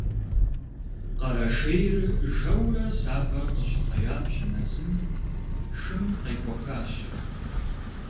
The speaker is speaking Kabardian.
Къэрэшейр жэурэ сабэр къыщыхъеям щынэсым, шым къехуэхащ.